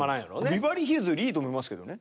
ビバリーヒルズよりいいと思いますけどね。